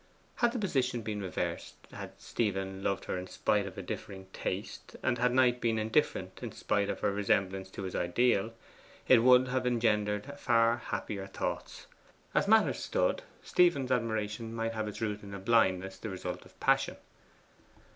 Had the position been reversed had Stephen loved her in spite of a differing taste, and had Knight been indifferent in spite of her resemblance to his ideal, it would have engendered far happier thoughts. As matters stood, Stephen's admiration might have its root in a blindness the result of passion.